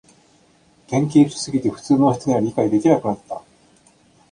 研究しすぎて普通の人には理解できなくなった